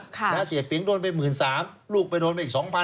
และเสียเปียงโดนไป๑๓๐๐๐ลูกโดนไปอีก๒๐๐๐